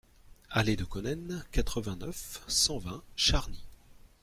Allée de Konen, quatre-vingt-neuf, cent vingt Charny